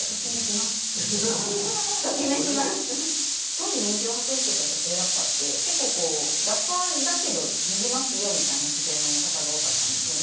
当時人気を博してた女性ラッパーって結構こうラッパーだけど脱ぎますよみたいな姿勢の方が多かったんですよね。